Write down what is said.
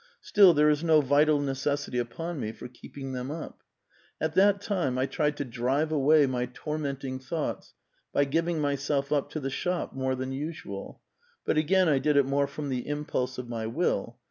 Still, there is no vital necessity upon me for keeping Ihem up. At that time I tried to drive away my tormenting thoughts by giving myself up to the shop more than usual ; but again I did it more from the impulse of my will.